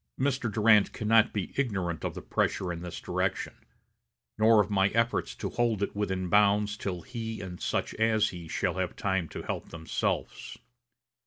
Mr. Durant cannot be ignorant of the pressure in this direction, nor of my efforts to hold it within bounds till he and such as he shall have time to help themselves....